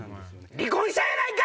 離婚したやないか！